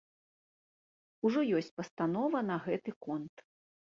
Ужо ёсць пастанова на гэты конт.